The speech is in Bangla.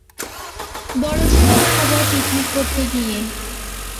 বড় ছেলে মারা যায় পিকনিক করতে গিয়ে।